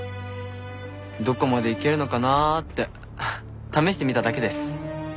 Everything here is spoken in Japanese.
どこまでいけるのかなって試してみただけです。